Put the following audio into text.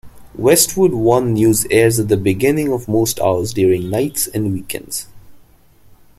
Westwood One News airs at the beginning of most hours during nights and weekends.